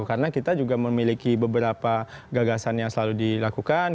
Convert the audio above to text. karena kita juga memiliki beberapa gagasan yang selalu dilakukan